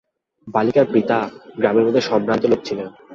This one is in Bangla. বালিকার পিতা গ্রামের মধ্যে সম্ভ্রান্ত লোক ছিলেন।